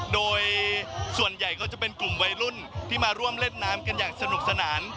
โดยส่วนใหญ่ก็จะเป็นกลุ่มวัยรุ่นที่มาร่วมเล่นน้ำกันอย่างสนุกสนาน